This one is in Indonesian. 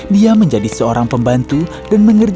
dia menjadi seorang pembantu dan mengerjakan